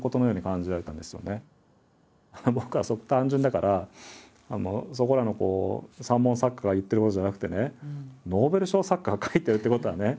すごく僕はすごく単純だからそこらの三文作家が言ってることじゃなくてねノーベル賞作家が書いてるってことはね